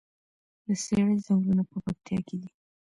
د څیړۍ ځنګلونه په پکتیا کې دي؟